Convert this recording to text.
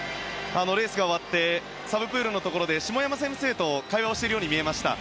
レースが終わってサブプールのところで下山先生と会話をしているように見えました。